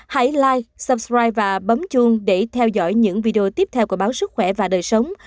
hãy like subscribe và bấm chuông để theo dõi những video tiếp theo của báo sức khỏe và đời sống